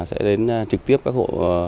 sẽ đến trực tiếp các hộ